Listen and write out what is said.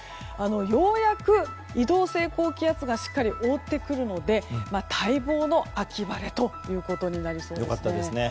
ようやく、移動性高気圧がしっかり覆ってくるので待望の秋晴れとなりそうです。